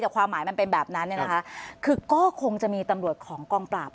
แต่ความหมายมันเป็นแบบนั้นเนี่ยนะคะคือก็คงจะมีตำรวจของกองปราบ